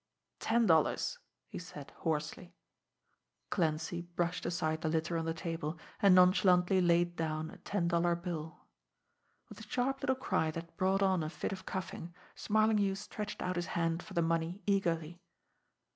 "Ten dollars," he said hoarsely. Clancy brushed aside the litter on the table, and nonchalantly laid down a ten dollar bill. With a sharp little cry that brought on a fit of coughing, Smarlinghue stretched out his hand for the money eagerly.